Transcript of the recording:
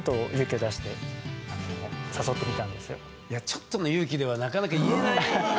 ちょっとの勇気ではなかなか言えない。